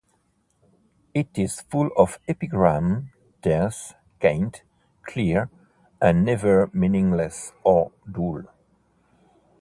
It is full of epigram, terse, quaint, clear, and never meaningless or dull.